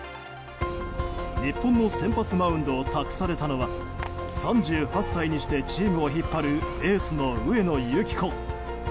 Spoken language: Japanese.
日本の先発マウンドを託されたのは３８歳にしてチームを引っ張るエースの上野由岐子。